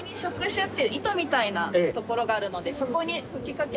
糸みたいなところがあるので。